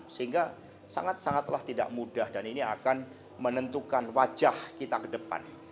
sehingga sangat sangatlah tidak mudah dan ini akan menentukan wajah kita ke depan